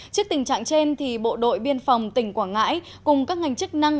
trước tình trạng trên bộ đội biên phòng tỉnh quảng ngãi cùng các ngành chức năng